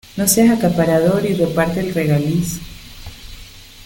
No seas acaparador y reparte el regaliz.